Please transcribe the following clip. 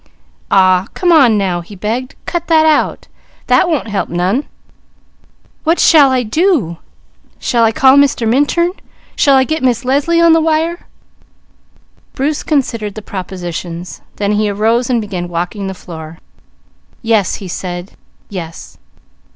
"Aw come on now!" he begged. "Cut that out! That won't help none! What shall I do? Shall I call Mr. Minturn? Shall I get Miss Leslie on the wire?" Bruce arose and began walking the floor. "Yes," he said. "Yes!